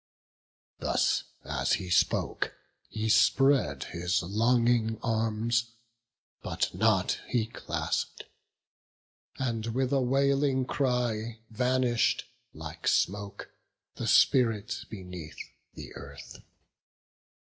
Thus as he spoke, he spread his longing arms, But nought he clasp'd; and with a wailing cry, Vanish'd, like smoke, the spirit beneath the earth.